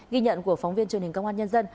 ghi nhận của phóng viên truyền hình công an nhân dân